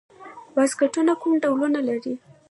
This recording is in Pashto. واسکټونه کوم ډولونه لري؟